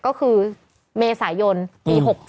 ก็คือเมษายนปี๖๗